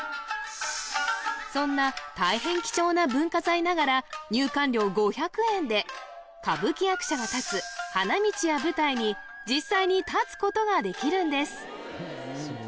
そんな大変貴重な文化財ながら入館料５００円で歌舞伎役者が立つ花道や舞台に実際に立つことができるんです